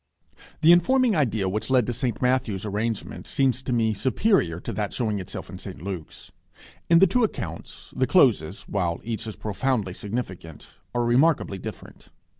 The informing idea which led to St Matthew's arrangement seems to me superior to that showing itself in St Luke's. In the two accounts, the closes, while each is profoundly significant, are remarkably different.